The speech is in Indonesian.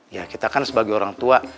ya kita kan sebagai orang tua